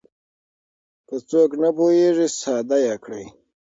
که څوک نه پوهېږي ساده يې کړئ.